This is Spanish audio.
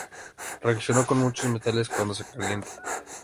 Reacciona con muchos metales cuando se calienta.